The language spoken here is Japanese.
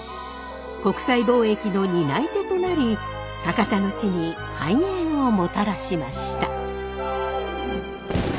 国際貿易の担い手となり博多の地に繁栄をもたらしました。